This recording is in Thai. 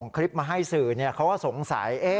คลิปมาให้สื่อเขาก็สงสัย